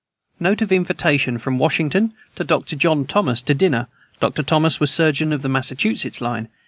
Note of invitation from Washington to Dr. John Thomas to dinner. Dr. Thomas was surgeon of the Massachusetts line.